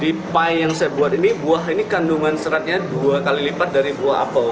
di pie yang saya buat ini buah ini kandungan seratnya dua kali lipat dari buah apel